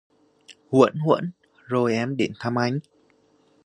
Huỡn huỡn rồi em đến thăm anh